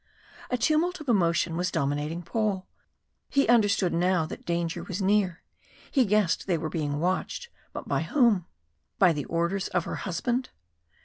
A tumult of emotion was dominating Paul. He understood now that danger was near he guessed they were being watched but by whom? By the orders of her husband?